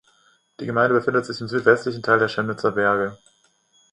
Die Gemeinde befindet sich im südwestlichen Teil der Schemnitzer Berge.